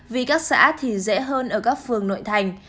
vì các xã thì dễ hơn ở các phường nội thành